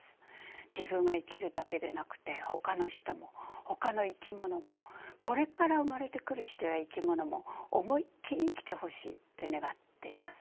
自分が生きるだけでなくてほかの人もほかの生き物もこれから生まれてくる人や生き物も思いっきり生きてほしいって願っています。